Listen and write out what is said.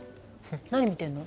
何見てるの？